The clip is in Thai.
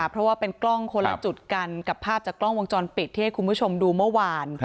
เพราะว่าเป็นกล้องคนละจุดกันกับภาพจากกล้องวงจรปิดที่ให้คุณผู้ชมดูเมื่อวาน